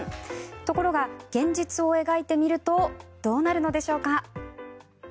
ところが、現実を描いてみるとどうなるのでしょうか。